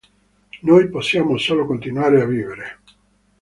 Noi possiamo solo continuare a vivere.